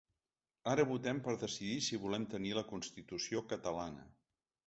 Ara votem per decidir si volem tenir la constitució catalana.